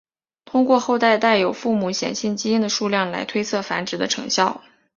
通过后代带有父母显性基因的数量来推测繁殖的成效。